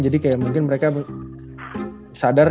jadi kayak mungkin mereka sadar